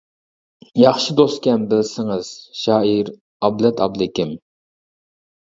ياخشى دوستكەن بىلسىڭىز، شائىر ئابلەت ئابلىكىم.